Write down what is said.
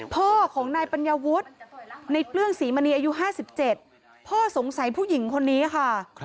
พ่อของนายปัญญาวุฒิในเปลื้องศรีมณีอายุ๕๗พ่อสงสัยผู้หญิงคนนี้ค่ะ